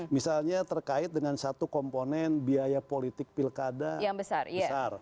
misalnya terkait dengan satu komponen biaya politik pilkada besar